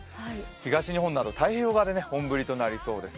東日本など太平洋側で本降りとなりそうです。